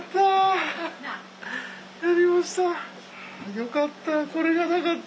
よかった。